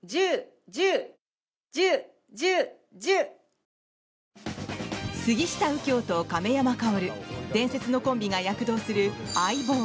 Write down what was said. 手巻おむすびふわうま杉下右京と亀山薫伝説のコンビが躍動する「相棒」。